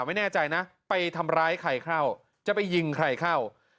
ไม่แน่ใจนะไปทำร้ายใครเข้าจะไปยิงใครเข้า